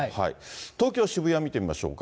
東京・渋谷見てみましょうか。